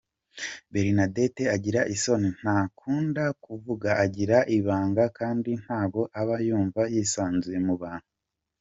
Bernadette agira isoni, ntakunda kuvuga, agira ibanga kandi ntago aba yumva yisanzuye mu bantu.